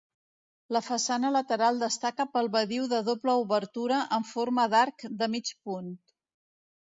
La façana lateral destaca pel badiu de doble obertura en forma d'arc de mig punt.